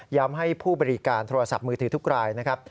ให้ผู้บริการโทรศัพท์มือถือทุกรายนะครับ